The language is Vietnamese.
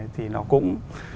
thì nó cũng